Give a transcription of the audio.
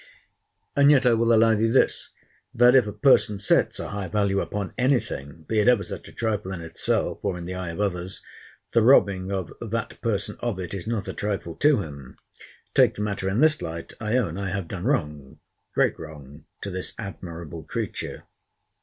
And yet I will allow thee this—that if a person sets a high value upon any thing, be it ever such a trifle in itself, or in the eye of others, the robbing of that person of it is not a trifle to him. Take the matter in this light, I own I have done wrong, great wrong, to this admirable creature.